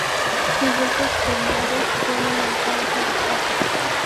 Sus restos cremados fueron lanzados al espacio.